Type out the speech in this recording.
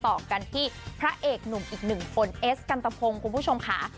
ต่อกันที่พระเอกหนุ่มอีกหนึ่งคนเอสกันตะพงศ์คุณผู้ชมค่ะ